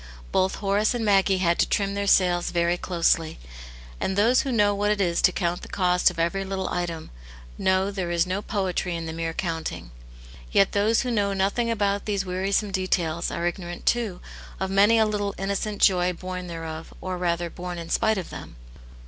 Botl; jL. Horace and Maggie had to trim their sails very closely ; and those who know what it is to count the. cost of every little item, know there is no poetry in the mere counting? Yet those who know nothing^ about these wearisome details, are ignorant, too, of many a little innocent joy born thereof, or rather, born in spite of them.